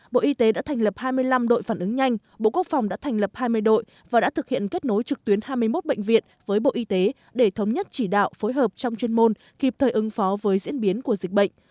bộ y tế đã thành lập hai mươi năm đội phản ứng nhanh bộ quốc phòng đã thành lập hai mươi đội và đã thực hiện kết nối trực tuyến hai mươi một bệnh viện với bộ y tế để thống nhất chỉ đạo phối hợp trong chuyên môn kịp thời ứng phó với diễn biến của dịch bệnh